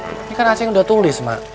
ini kan achan udah tulis ma